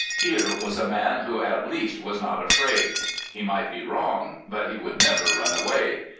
Here was a man who at least was not afraid. He might be wrong; but he would never run away.